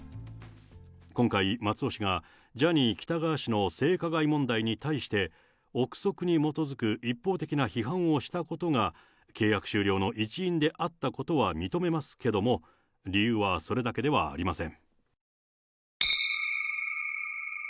今回、松尾氏が、ジャニー喜多川氏の性加害問題に対して、臆測に基づく一方的な批判をしたことが、契約終了の一因であったことは認めますけども、理由はそれだけではありません。